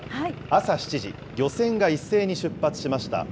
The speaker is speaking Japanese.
朝７時、漁船が一斉に出発しました。